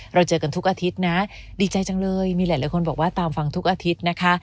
เราเจอกันทุกอาทิตย์นะดีใจจังเลยมีหลายคนบอกว่าตามฟังทุกอาทิตย์นะคะ